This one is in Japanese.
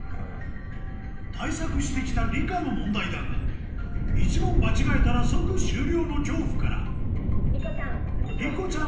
対策して来た理科の問題だが１問間違えたら即終了の恐怖からりこちゃん。